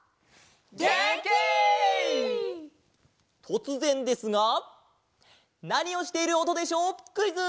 とつぜんですがなにをしているおとでしょうクイズ！